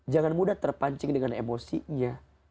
jangan mudah terpancing dengan emosinya